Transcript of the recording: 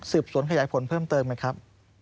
สวนขยายผลเพิ่มเติมไหมครับ